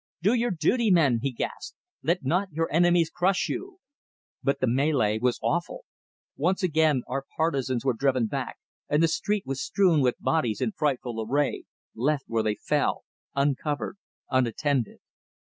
"Do your duty, men!" he gasped. "Let not your enemies crush you!" But the mêlée was awful. Once again our partisans were driven back, and the street was strewn with bodies in frightful array, left where they fell, uncovered, unattended.